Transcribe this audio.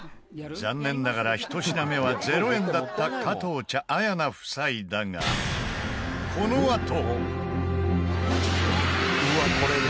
残念ながら１品目は０円だった加藤茶、綾菜夫妻だがこのあと伊達：これね。